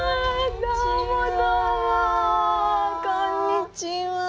こんにちは！